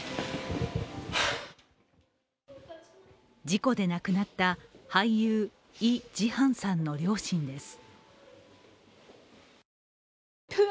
事故で亡くなった俳優、イ・ジハンさんの両親です。